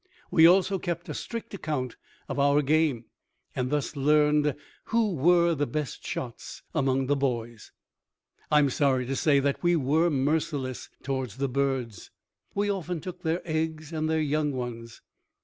We also kept strict account of our game, and thus learned who were the best shots among the boys. I am sorry to say that we were merciless toward the birds. We often took their eggs and their young ones.